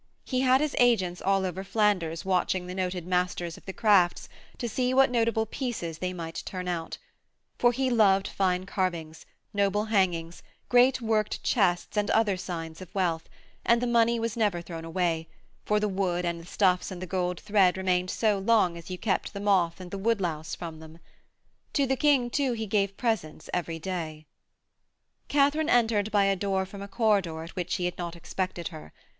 He had his agents all over Flanders watching the noted masters of the crafts to see what notable pieces they might turn out; for he loved fine carvings, noble hangings, great worked chests and other signs of wealth, and the money was never thrown away, for the wood and the stuffs and the gold thread remained so long as you kept the moth and the woodlouse from them. To the King too he gave presents every day. Katharine entered by a door from a corridor at which he had not expected her.